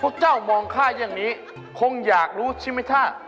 เจ้ามองข้าอย่างนี้คงอยากรู้ใช่ไหมถ้า